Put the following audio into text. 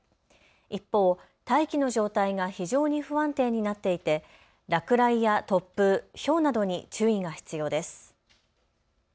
一方、大気の状態が非常に不安定になっていて落雷や突風、ひょうなどに注意が必要です。